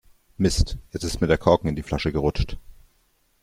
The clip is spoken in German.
Mist, jetzt ist mir der Korken in die Flasche gerutscht.